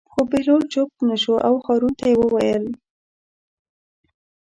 خو بهلول چوپ نه شو او هارون ته یې وویل.